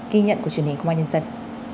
ghi nhận của truyền hình của ngoại nhân dân